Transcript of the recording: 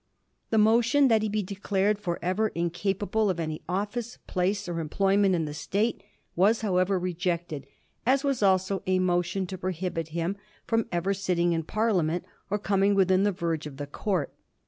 The motion that he be declared for ever incapable of any office, place, or employment in the State was, however, rejected ; as was also a motion to prohibit him fi om ever sitting in Parliament, or coming within the verge of the court.